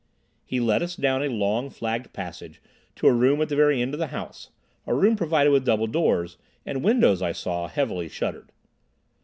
He led us down a long flagged passage to a room at the very end of the house, a room provided with double doors, and windows, I saw, heavily shuttered.